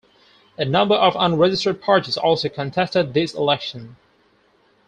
A number of unregistered parties also contested this election.